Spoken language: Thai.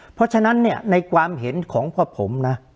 เพราะฉะนั้นเนี่ยในความเห็นของพ่อผมนะ